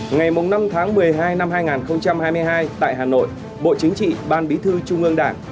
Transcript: ngày năm tháng một mươi hai năm hai nghìn hai mươi hai tại hà nội bộ chính trị ban bí thư trung ương đảng